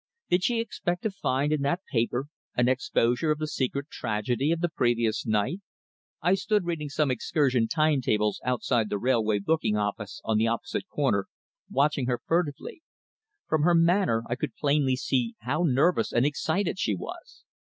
Did she expect to find in that paper an exposure of the secret tragedy of the previous night? I stood reading some excursion time tables outside the railway booking office on the opposite corner, watching her furtively. From her manner I could plainly see how nervous and excited she was.